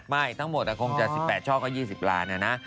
ไม่ทั้งหมดคงจะ๑๘ช่อก็๒๐ล้านนะนะ